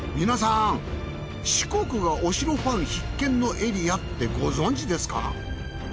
皆さん四国がお城ファン必見のエリアってご存じですか？